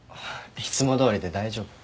いつもどおりで大丈夫。